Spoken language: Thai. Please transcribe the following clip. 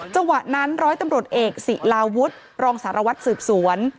จังหวะนั้นร้อยตำรวจเอกศิลาวุฒิรองสารวัตรสืบสวน